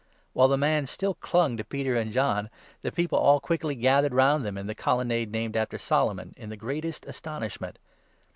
While the man still clung to Peter and John, the people all u quickly gathered round them in the Colonnade named after Solomon, in the greatest astonishment.